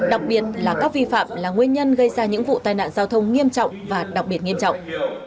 đặc biệt là các vi phạm là nguyên nhân gây ra những vụ tai nạn giao thông nghiêm trọng và đặc biệt nghiêm trọng